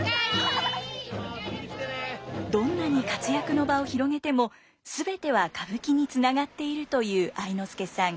どんなに活躍の場を広げても全ては歌舞伎につながっているという愛之助さん。